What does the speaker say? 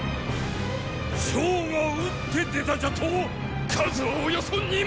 趙が打って出たじゃとォ⁉数はおよそ二万っ！！